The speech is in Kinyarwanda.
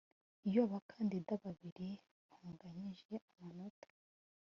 iyo abakandida babiri banganyije amanota